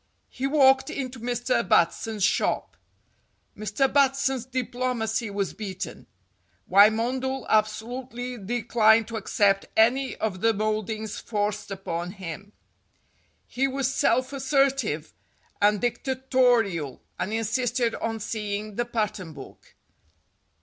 He walked into Mr. Batson's shop. Mr. Batson's diplomacy was beaten. Wymondel absolutely declined to accept any of the mouldings forced upon him. He was self assertive and dicta torial, and insisted on seeing the pattern book.